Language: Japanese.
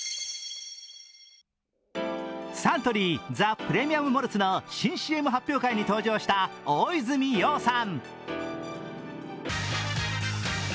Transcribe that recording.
サントリー、ザ・プレミアム・モルツの新ＣＭ発表会に登場した大泉洋さん。